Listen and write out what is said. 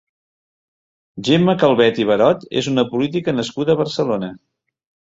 Gemma Calvet i Barot és una política nascuda a Barcelona.